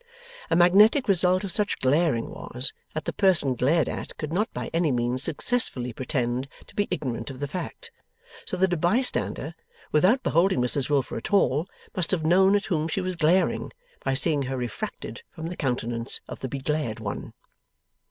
A magnetic result of such glaring was, that the person glared at could not by any means successfully pretend to be ignorant of the fact: so that a bystander, without beholding Mrs Wilfer at all, must have known at whom she was glaring, by seeing her refracted from the countenance of the beglared one.